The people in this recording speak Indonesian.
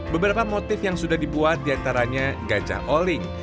beberapa motif yang sudah dibuat diantaranya gajah oling